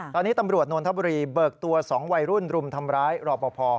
ตอนนี้ตำรวจนนทบุรีเบิกตัว๒วัยรุ่นรุมทำร้ายรอปภ